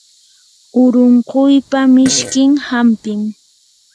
urunquypa mishkin hampim.